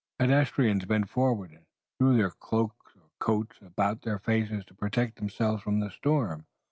Pedestrians bent forward, and drew their cloaks or coats about their faces to protect themselves from the storm.